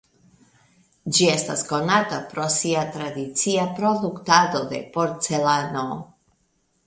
Ĝi estas konata pro sia tradicia produktado de porcelano.